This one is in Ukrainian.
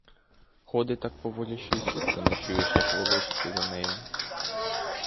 Ходить так поволі, що й сукні не чуєш, як волочиться за нею.